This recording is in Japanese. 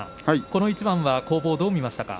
この一番は攻防、どう見ましたか。